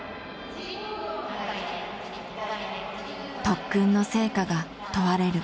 特訓の成果が問われる。